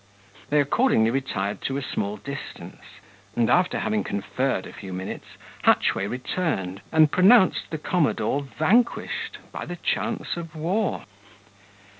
They accordingly retired to a small distance; and after having conferred a few minutes, Hatchway returned and pronounced the commodore vanquished by the chance of war.